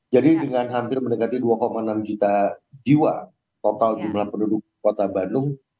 jadi dengan hampir mendekati dua enam juta jiwa total jumlah penduduk kota bandung